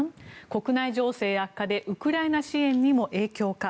国内情勢悪化でウクライナ支援にも影響か。